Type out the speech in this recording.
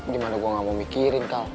gimana gue enggak mau mikirin kal